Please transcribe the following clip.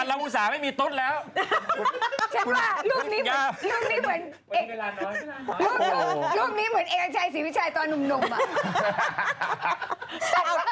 รูปนี้เหมือนเอกใจศรีวิชัยตอนนุ่มอ่า